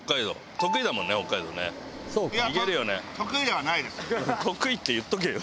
得意って言っとけよ。